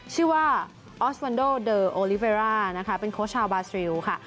ชื่อว่าออสวันโดเดอร์โอลิเวร่านะคะเป็นโค้ชชาวบาสริวค่ะ